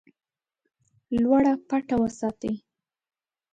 لوړه پټه وساتي.